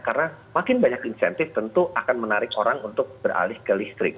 karena makin banyak insentif tentu akan menarik orang untuk beralih ke listrik